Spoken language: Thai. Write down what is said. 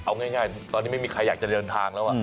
เอาง่ายตอนนี้ไม่มีใครอยากจะเดินทางแล้ว